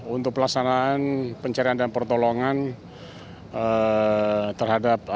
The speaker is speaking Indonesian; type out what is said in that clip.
untuk pelaksanaan pencarian dan pertolongan terhadap